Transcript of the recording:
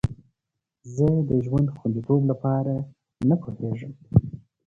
زه د ژوند خوندیتوب لپاره نه پوهیږم.